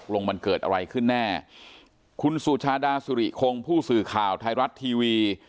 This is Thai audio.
ลงมันเกิดอะไรขึ้นแน่คุณสุชาดาสุริคงผู้สื่อข่าวไทยรัฐทีวี